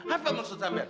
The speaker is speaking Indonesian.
apa maksudnya be